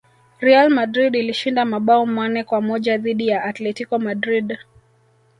real madrid ilishinda mabao manne kwa moja dhidi ya atletico madrid